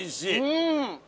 うん！